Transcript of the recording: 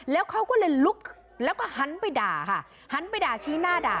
แล้วเขาก็เลยลุกแล้วก็หันไปด่าค่ะหันไปด่าชี้หน้าด่า